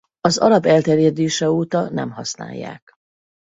Az arab elterjedése óta nem használják.